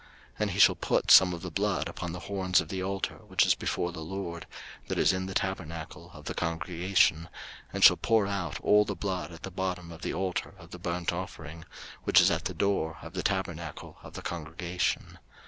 03:004:018 And he shall put some of the blood upon the horns of the altar which is before the LORD, that is in the tabernacle of the congregation, and shall pour out all the blood at the bottom of the altar of the burnt offering, which is at the door of the tabernacle of the congregation.